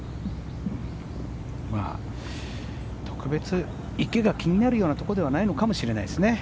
特別池が気になるようなところではないのかもしれないですね。